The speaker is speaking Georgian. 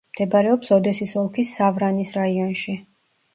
მდებარეობს ოდესის ოლქის სავრანის რაიონში.